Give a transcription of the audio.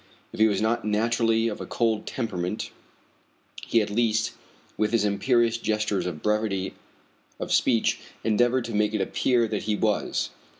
If he was not naturally of a cold temperament, he at least, with his imperious gestures and brevity of speech, endeavored to make it appear that he was.